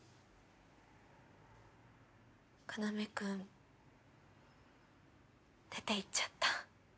要くん出て行っちゃった。